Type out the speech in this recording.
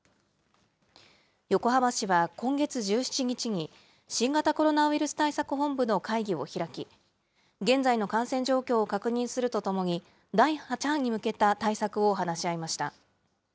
横浜市は今月１７日に、新型コロナウイルス対策本部の会議を開き、現在の感染状況を確認するとともに、第８波に向けた対策を話し合いました。